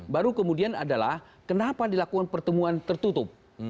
baru kemudian adalah kenapa dilakukan pertemuan tertutup